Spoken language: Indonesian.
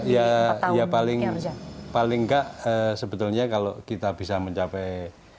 ya ya paling nggak sebetulnya kalau kita bisa mencapai